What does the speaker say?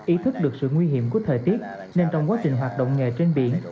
ý thức được sự nguy hiểm của thời tiết nên trong quá trình hoạt động nghề trên biển